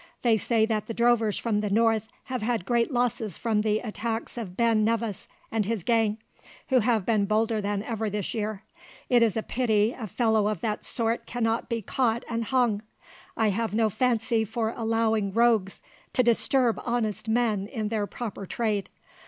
They say that the drovers from the north have had great losses from the attacks of Ben Nevis and his gang, who have been bolder than ever this year. It is a pity a fellow of that sort cannot be caught and hung. I have no fancy for allowing rogues to disturb honest men in their proper trade.